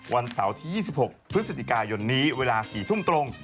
วันเสาร์ที่๒๖พฤศจิกายนนี้เวลา๔ทุ่มตรง